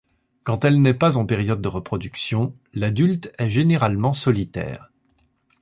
Quand elle n'est pas en période de reproduction, l'adulte est généralement solitaire.